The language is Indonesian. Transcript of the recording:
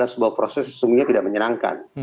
sebuah proses sesungguhnya tidak menyenangkan